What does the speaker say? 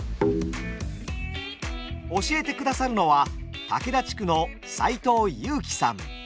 教えてくださるのは竹田地区の齋藤悠輝さん。